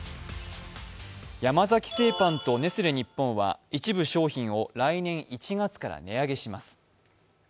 山崎製パンとネスレ日本は一部商品を来年１月から値上げします。